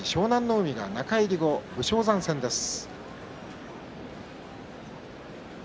海が中入り後、武将山戦です。